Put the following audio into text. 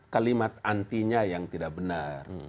kalimat anti nya yang tidak benar